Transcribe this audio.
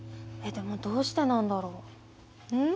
でもどうしてなんだろう？ん？